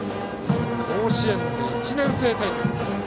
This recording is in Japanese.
甲子園で１年生対決。